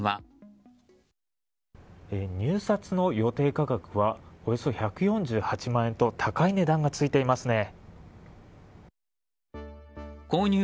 入札の予定価格はおよそ１４８万円と高い値段がついていますね。